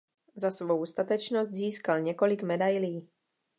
Za svou statečnost získal několik medailí.